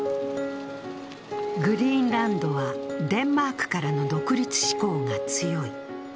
グリーンランドはデンマークからの独立志向が強い。